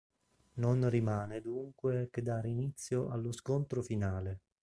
Non rimane dunque che dare inizio allo scontro finale.